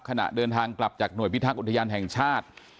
ขณะเดินทางกลับจากหน่วยพิทักษ์อุทยานแห่งชาติ